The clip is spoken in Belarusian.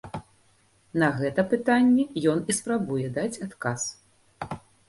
На гэта пытанне ён і спрабуе даць адказ.